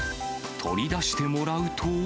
取り出してもらうと。